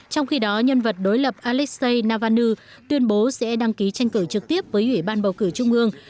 trong khi đó nhân vật đối lập alexei navanu tuyên bố sẽ đăng ký tranh cử trực tiếp với ủy ban bầu cử trung ương